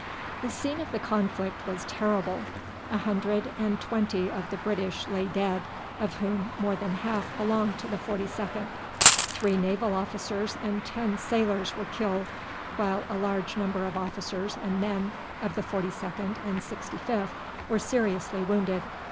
The scene of the conflict was terrible. A hundred and twenty of the British lay dead, of whom more than half belonged to the 42d. Three naval officers and ten sailors were killed, while a large number of officers and men of the 42d and 65th were seriously wounded.